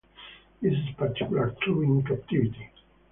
This is particularly true in captivity.